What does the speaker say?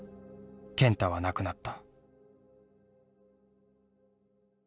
健太は亡くなった。